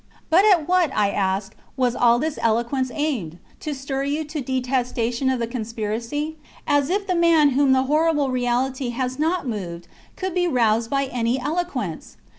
But at what, I ask, was all this eloquence aimed ? To stir you to detes tation of the conspiracy ? As if the man whom the horrible reality has not moved could be roused by any eloquence